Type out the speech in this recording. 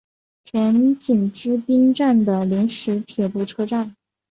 田井之滨站的临时铁路车站。